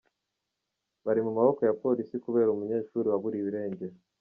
Bari mu maboko ya Polisi kubera umunyeshuri waburiwe irengero